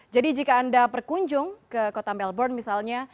jadi jika anda perkunjung ke kota melbourne misalnya